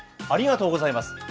ありがとうございます。